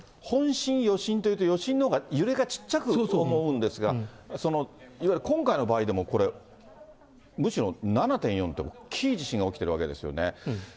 本震、余震というと、余震のほうが揺れがちっちゃく思うんですが、その、いわゆる今回の場合でもこれ、むしろ７．４って、大きい地震が起きてるわけですよね。